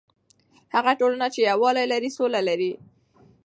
هغه ټولنه چې یووالی لري، سوله لري.